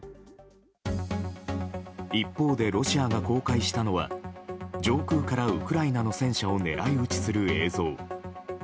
一方でロシアが公開したのは上空からウクライナの戦車を狙い撃ちする映像。